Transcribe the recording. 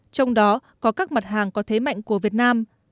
trong đó có các mặt hàng có thế mạnh của việt nam